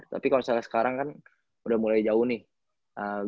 tapi kalau misalnya sekarang kan udah mulai jauh nih